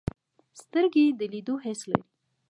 سترګې د لیدلو حس لري